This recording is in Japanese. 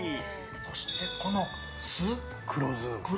そしてこの酢、黒酢。